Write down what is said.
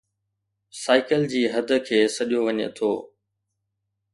cycle جي حد کي سڏيو وڃي ٿو